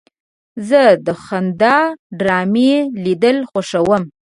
زه د خندا ډرامې لیدل خوښوم.